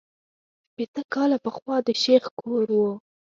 شپېته کاله پخوا د شیخ کور وو.